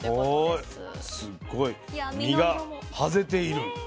すっごい身が爆ぜている。